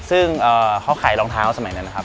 ซึ่งเขาขายรองเท้าสมัยนั้นนะครับ